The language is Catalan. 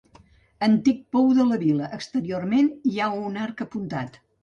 Antic pou de la vila, exteriorment hi ha un arc apuntat.